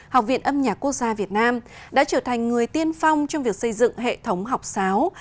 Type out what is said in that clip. học viện âm nhạc quốc gia việt nam đã trở thành người tiên phong trong việc xây dựng hệ thống học sáo